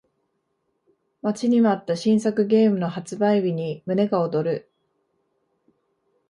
待ちに待った新作ゲームの発売日に胸が躍る